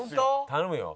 頼むよ。